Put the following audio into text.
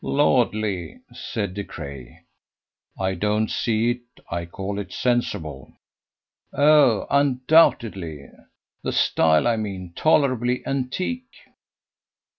"Lordly!" said De Craye. "I don't see it. I call it sensible." "Oh, undoubtedly. The style, I mean. Tolerably antique?"